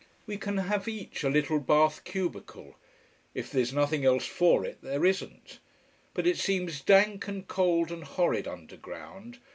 We can have each a little bath cubicle. If there's nothing else for it, there isn't: but it seems dank and cold and horrid, underground.